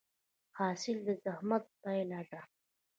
حاصل د زحمت پایله ده؟